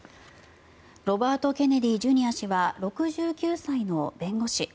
ロバート・ケネディ・ジュニア氏は６９歳の弁護士。